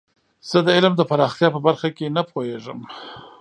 زه د علم د پراختیا په برخه کې نه پوهیږم.